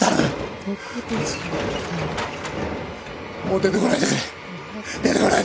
もう出てこないでくれ。